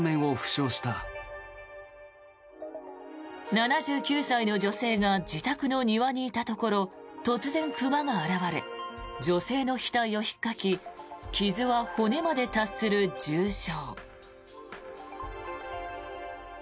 ７９歳の女性が自宅の庭にいたところ突然、熊が現れ女性の額をひっかき傷は骨まで達する重傷。